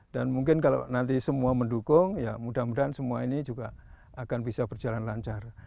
dan mungkin kalau nanti semua mendukung ya mudah mudahan semua ini juga akan bisa berjalan lancar